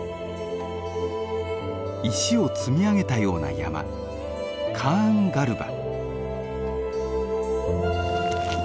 石を積み上げたような山カーンガルバ。